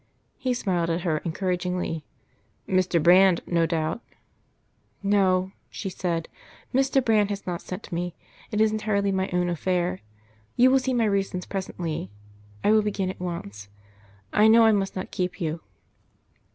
He smiled at her encouragingly. "Mr. Brand, no doubt " "No," she said, "Mr. Brand has not sent me. It is entirely my own affair. You will see my reasons presently. I will begin at once. I know I must not keep you."